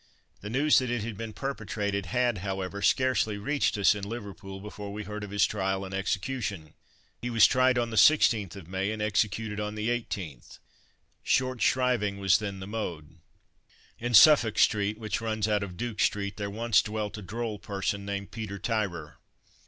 The news that it had been perpetrated, had, however, scarcely reached us in Liverpool before we heard of his trial and execution. He was tried on the 16th of May and executed on the 18th. Short shriving was then the mode! In Suffolk street, which runs out of Duke street, there once dwelt a droll person named Peter Tyrer.